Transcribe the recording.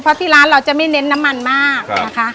เพราะที่ร้านเราจะไม่เน้นน้ำมันมากนะคะ